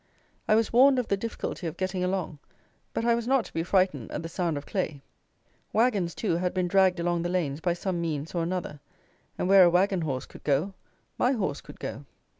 I was warned of the difficulty of getting along; but I was not to be frightened at the sound of clay. Wagons, too, had been dragged along the lanes by some means or another; and where a wagon horse could go, my horse could go.